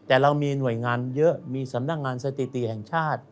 แต่เรามีหน่วยงานเยอะมีสำนักงานสถิติแห่งชาติ